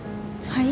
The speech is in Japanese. はい？